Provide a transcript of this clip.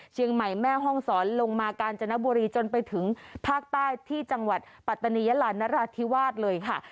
แม่ห้องศรลงมากาญจนบุรีจนไปถึงภาคใต้ที่จังหวัดปัตตานียลานราธิวาสเลยค่ะ